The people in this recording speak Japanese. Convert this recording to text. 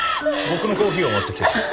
僕のコーヒーを持ってきてくれ。